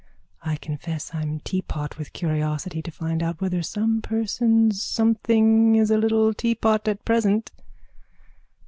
_ I confess I'm teapot with curiosity to find out whether some person's something is a little teapot at present.